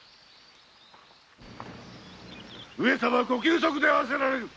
上様ご休息であらせられる。